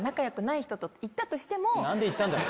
何で行ったんだよ！